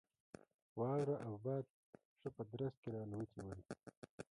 واوره او باد ښه په درز کې را الوتي ول.